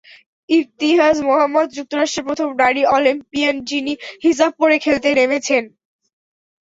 Ibtihaj Muhammad, যুক্তরাষ্ট্রের প্রথম নারী অলিম্পিয়ান যিনি হিজাব পরে খেলতে নেমেছেন।